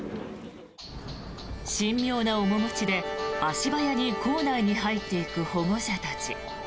神妙な面持ちで足早に校内に入っていく保護者たち。